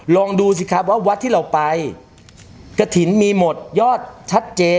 ลองดูสิครับว่าวัดที่เราไปกระถิ่นมีหมดยอดชัดเจน